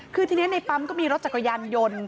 คือทีนี้ในปั๊มก็มีรถจักรยานยนต์